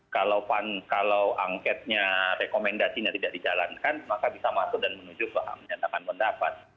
kalau angketnya rekomendasinya tidak dijalankan maka bisa masuk dan menuju ke menyatakan pendapat